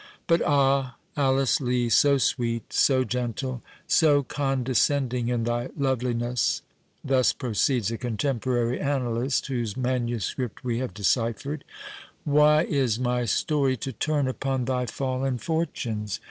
"But, ah! Alice Lee—so sweet, so gentle, so condescending in thy loveliness—[thus proceeds a contemporary annalist, whose manuscript we have deciphered]—why is my story to turn upon thy fallen fortunes?